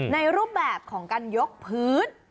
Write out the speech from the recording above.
รูปแบบของการยกพื้น